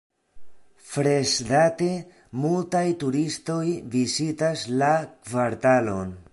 Freŝdate, multaj turistoj vizitas la kvartalon.